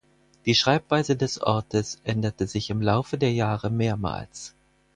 Die Schreibweise des Ortes änderte sich im Laufe der Jahre mehrmals.